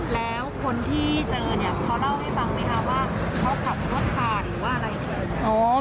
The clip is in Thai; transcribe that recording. แล้วคนที่เจอเนี่ยเขาเล่าให้ฟังไหมคะว่าเขาขับรถผ่านหรือว่าอะไรเกิดขึ้น